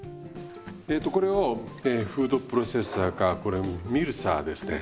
えとこれをフードプロセッサーかこれミルサーですね